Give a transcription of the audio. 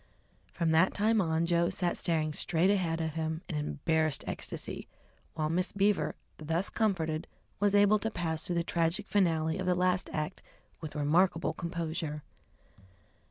From that time on Joe sat staring straight ahead of him in embarrassed ecstasy, while Miss Beaver, thus comforted, was able to pass through the tragic finale of the last act with remarkable composure.